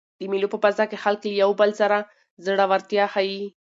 د مېلو په فضا کښي خلک له یو بل سره زړورتیا ښيي.